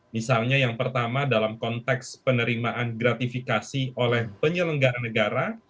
misalnya yang pertama dalam konteks penerimaan gratifikasi oleh penyelenggara negara